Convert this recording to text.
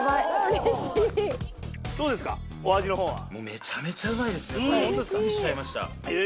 めちゃめちゃうまいですねびっくりしちゃいました。